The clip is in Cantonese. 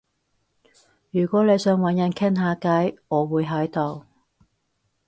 如果你想搵人傾下偈，我會喺度